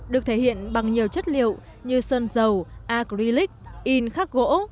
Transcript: được thể hiện bằng nhiều chất liệu như sơn dầu acrylic in khắc gỗ